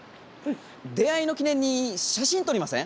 出会いの記念に写真撮りません？